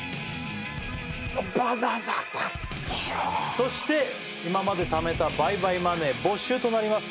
そして今までためた倍買マネー没収となります